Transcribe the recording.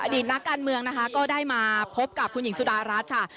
ตนักการเมืองนะคะก็ได้มาพบกับคุณหญิงสุดารัฐค่ะ